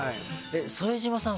副島さん